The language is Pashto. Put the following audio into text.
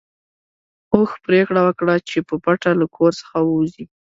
اوښ پرېکړه وکړه چې په پټه له کور څخه ووځي.